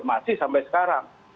masih sampai sekarang